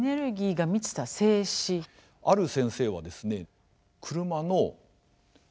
ある先生はですね